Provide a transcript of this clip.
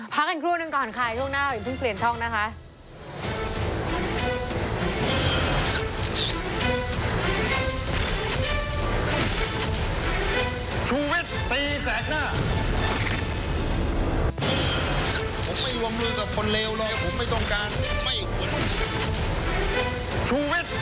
พักกันครัวหนึ่งก่อนค่ะอีกครั้งหน้าถึงเปลี่ยนช่องนะคะ